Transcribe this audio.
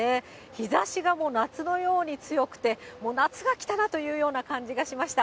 日ざしがもう夏のように強くて、もう夏が来たなというような感じがしました。